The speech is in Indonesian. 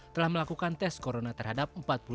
telah melakukan tes corona terhadap